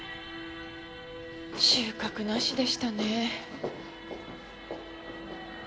収穫なしでしたね。